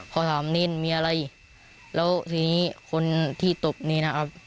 พอถามนินมีอะไรแล้วทีนี้คนที่ตบนี่นะครับ